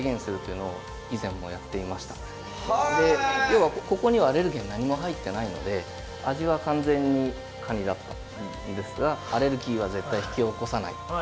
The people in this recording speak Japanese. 要はここにはアレルゲン何も入ってないので味は完全にカニだったんですがアレルギーは絶対引き起こさないっていう安心感が。